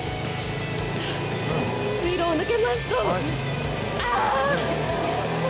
水路を抜けますとああっ！